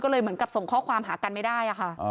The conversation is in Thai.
ก็เลยเหมือนกับส่งข้อความหากันไม่ได้ค่ะ